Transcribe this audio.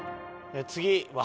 次は。